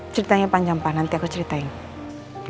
ceritanya panjang pak nanti aku ceritain